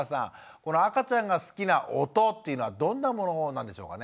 この赤ちゃんが好きな音っていうのはどんなものなんでしょうかね？